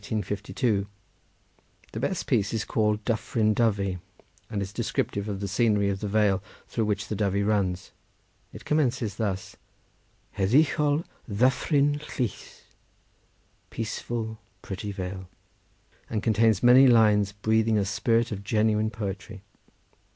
The best piece is called "Dyffryn Dyfi"; and is descriptive of the scenery of the vale through which the Dyfi runs. It commences thus: "Heddychol ddyffryn tlws," Peaceful, pretty vale, and contains many lines breathing a spirit of genuine poetry.